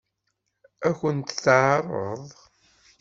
Ad kent-t-teɛṛeḍ?